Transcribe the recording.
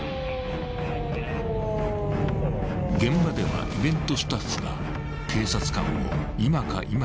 ［現場ではイベントスタッフが警察官を今か今かと待っていた］